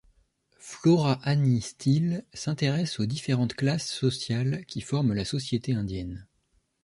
Flora Annie Steel s'intéresse aux différentes classes sociales qui forment la société indienne.